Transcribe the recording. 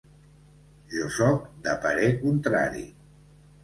Jo soc de parer contrari.